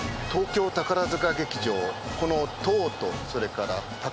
この「東」とそれから「宝」